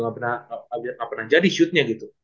gak pernah jadi shootnya gitu